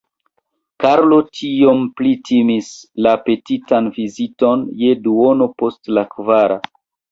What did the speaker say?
Karlo tiom pli timis la petitan viziton je duono post la kvara.